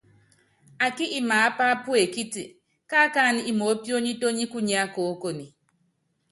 Ákí imaápa puekíti, káakánɛ́ imoópionítóní kunyá koókone.